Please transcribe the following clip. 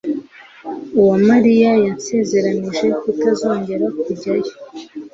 Uwamariya yansezeranije kutazongera kujyayo.